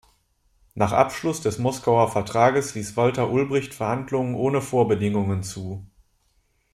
Nach Abschluss des Moskauer Vertrages ließ Walter Ulbricht Verhandlungen ohne Vorbedingungen zu.